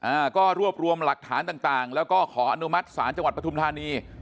อ่าก็รวบรวมหลักฐานต่างต่างแล้วก็ขออนุมัติศาลจังหวัดปฐุมธานี